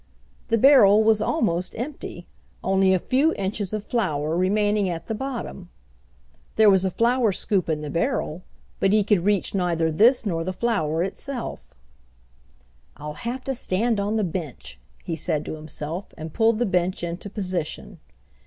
The barrel was almost empty, only a few inches of flour remaining at the bottom. There was a flour scoop in the barrel, but he could reach neither this nor the flour itself. "I'll have to stand on the bench," he said to himself and pulled the bench into position.